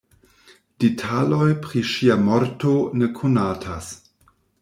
Detaloj pri ŝia morto ne konatas.